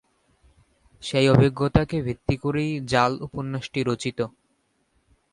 সেই অভিজ্ঞতাকে ভিত্তি করেই 'জাল' উপন্যাসটি রচিত।